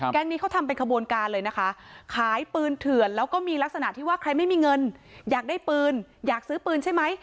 แก๊งนี้เขาทำเป็นขบวนการเลยนะคะขายปืนเถื่อนแล้วก็มีลักษณะที่ว่าใครไม่มีเงินอยากได้ปืนอยากซื้อปืนใช่ไหม